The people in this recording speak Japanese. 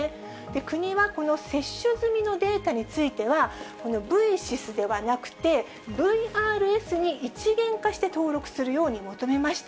国は、この接種済みのデータについては、このブイシスではなくて、ＶＲＳに一元化して登録するように求めました。